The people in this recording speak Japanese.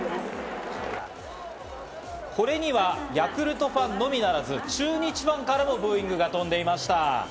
これにはヤクルトファンのみならず、中日ファンからもブーイングが飛んでいました。